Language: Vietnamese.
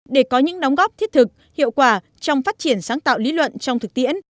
để có những đóng góp thiết thực hiệu quả trong phát triển sáng tạo lý luận trong thực tiễn